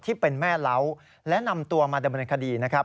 ที่เป็นแม่เล้าและนำตัวมาดำเนินคดีนะครับ